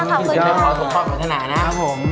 ขอขอสมภาคภาคภาษณะนะครับผม